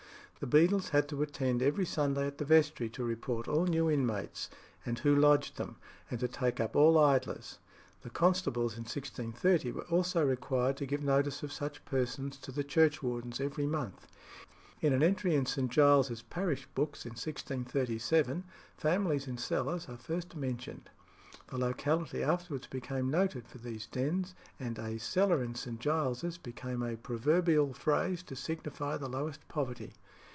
The beadles had to attend every Sunday at the vestry to report all new inmates, and who lodged them, and to take up all idlers; the constables in 1630 were also required to give notice of such persons to the churchwardens every month. In an entry in St. Giles's parish books in 1637 "families in cellars" are first mentioned. The locality afterwards became noted for these dens, and "a cellar in St. Giles's" became a proverbial phrase to signify the lowest poverty.